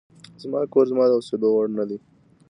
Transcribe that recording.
زما کور زما د اوسېدلو وړ نه دی.